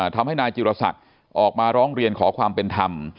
ทำให้นายจิรษักออกมาร้องเรียนขอความเป็นธรรม